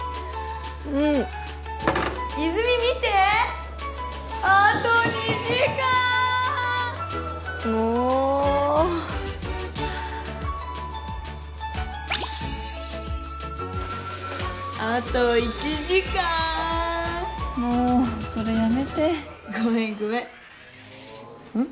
泉見てあと２時間もうあと１時間もうそれやめてごめんごめんうん？